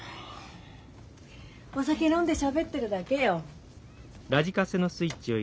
お酒飲んでしゃべってるだけよ。